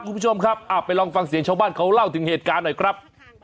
คุณผู้ชมครับไปลองฟังเสียงชาวบ้านเขาเล่าถึงเหตุการณ์หน่อยครับ